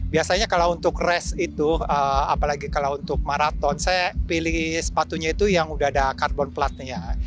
biasanya kalau untuk res itu apalagi kalau untuk maraton saya pilih sepatunya itu yang udah ada carbon platnya